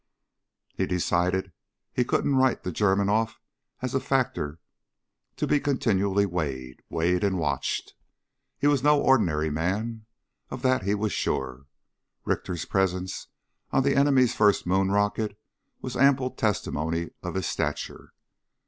He decided he couldn't write the German off as a factor to be continually weighed weighed and watched. He was no ordinary man. Of that he was sure. Richter's presence on the enemy's first moon rocket was ample testimony of his stature.